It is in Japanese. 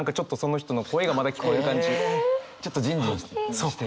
ちょっとジンジンして。